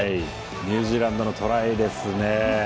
ニュージーランドのトライですね。